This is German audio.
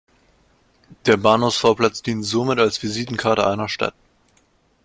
Der Bahnhofsvorplatz dient somit als Visitenkarte einer Stadt.